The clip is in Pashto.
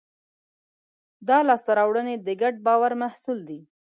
دا لاستهراوړنې د ګډ باور محصول دي.